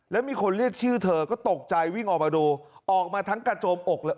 แล้วมีคนเรียกชื่อเธอก็ตกใจวิ่งออกมาดูออกมาทั้งกระโจมอกเลย